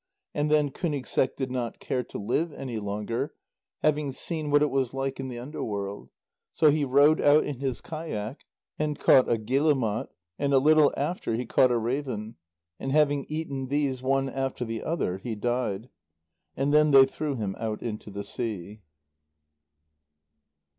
And then Kúnigseq did not care to live any longer, having seen what it was like in the underworld. So he rowed out in his kayak, and caught a guillemot, and a little after, he caught a raven, and having eaten these one after the other, he died. And then they threw him out into the sea.